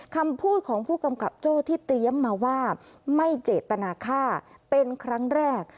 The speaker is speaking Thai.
คำพูดของผู้กำกับโจ้ที่เตรียมมาว่าไม่เจตนาค่าเป็นครั้งแรก